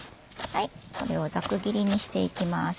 これをざく切りにしていきます。